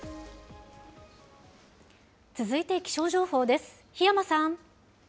続いて気象情報です。